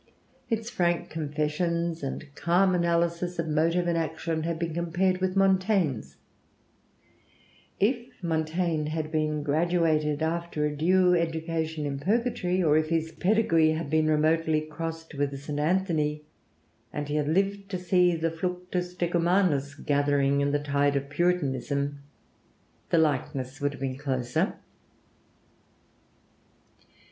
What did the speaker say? Its frank confessions and calm analysis of motive and action have been compared with Montaigne's: if Montaigne had been graduated after a due education in Purgatory, or if his pedigree had been remotely crossed with a St. Anthony and he had lived to see the fluctus decumanus gathering in the tide of Puritanism, the likeness would have been closer.